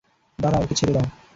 দাড়াঁও, ওকে ছেড়ে দাও।